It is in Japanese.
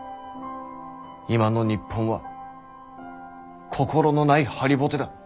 今の日本は心のない張りぼてだ。